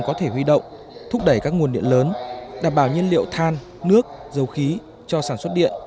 điện thúc đẩy các nguồn điện lớn đảm bảo nhân liệu than nước dầu khí cho sản xuất điện